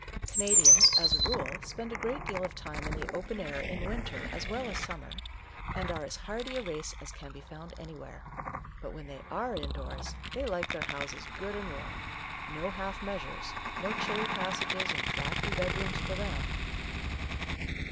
Cana dians, as a rule, spend a great deal of time in the open air in winter as well as summer, and are as hardy a race as can be found anywhere, but when they are indoors they like their houses good and warm, — no half measures, no chilly passages and draughty bedrooms for them